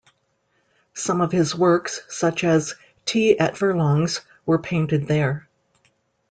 Some of his works, such as "Tea at Furlongs", were painted there.